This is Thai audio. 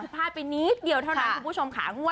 พลาดไปนิดเดียวเท่านั้นคุณผู้ชมค่ะ